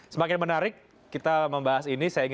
semakin menarik kita membahas ini